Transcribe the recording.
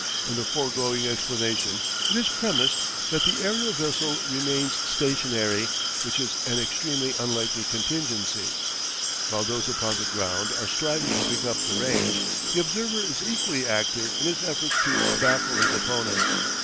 In the foregoing explanation it is premised that the aerial vessel remains stationary, which is an extremely unlikely contingency. While those upon the ground are striving to pick up the range, the observer is equally active in his efforts to baffle his opponents.